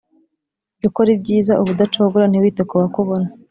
jyukora ibyiza ubudacogora ntiwite kubakubona